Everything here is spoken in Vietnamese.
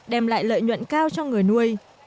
đem lại lợi nhuận cao cho người nuôi